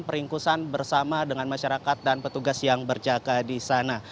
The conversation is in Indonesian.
peringkusan bersama dengan masyarakat dan petugas yang berjaga di sana